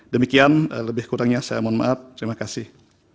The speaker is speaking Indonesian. demikian lebih kurangnya saya mohon maaf terima kasih